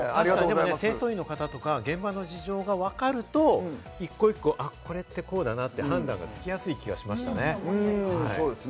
清掃員の方、現場の事情がわかると１個、１個これってこうだなって、判断がつきやすい気がしましたね。